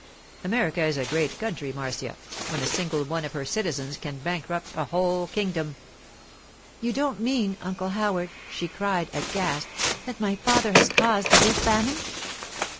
America is a great country, Marcia, when a single one of her citizens can bankrupt a whole kingdom.' 'You don't mean, Uncle Howard,' she cried, aghast, 'that my father has caused the wheat famine?